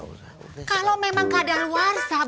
kalau memang keadaan luar sah